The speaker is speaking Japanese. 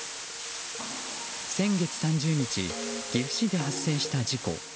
先月３０日岐阜市で発生した事故。